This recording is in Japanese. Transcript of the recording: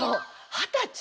二十歳。